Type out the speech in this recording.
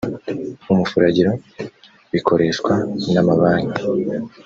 umufuragiro bikoreshwa n’amabanki